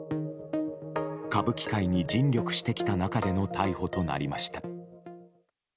歌舞伎界に尽力してきた中での逮捕となりました。